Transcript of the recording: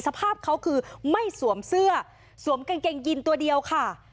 สภาพเขาคือไม่สวมเสื้อสวมกางเกงยินตัวเดียวค่ะ